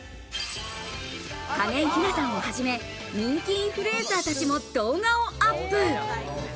景井ひなさんをはじめ、人気インフルエンサーたちも動画をアップ。